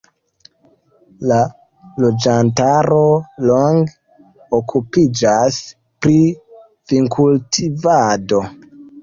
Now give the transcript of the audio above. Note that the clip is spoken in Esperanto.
La loĝantaro longe okupiĝas pri vinkultivado.